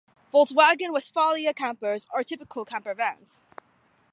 Volkswagen Westfalia Campers are typical campervans.